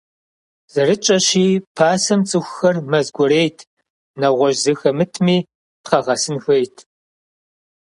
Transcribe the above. Зэрытщӏэщи, пасэм цӏыхухэр мэз кӏуэрейт, нэгъуэщӏ зы хэмытми, пхъэгъэсын хуейт.